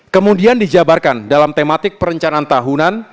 kemudian dijabarkan dalam tematik perencanaan tahunan